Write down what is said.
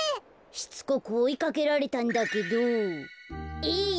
しつこくおいかけられたんだけど「えい！